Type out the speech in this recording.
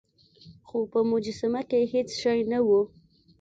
خو په مجسمه کې هیڅ شی نه و.